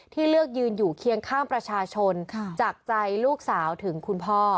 เลือกยืนอยู่เคียงข้างประชาชนจากใจลูกสาวถึงคุณพ่อ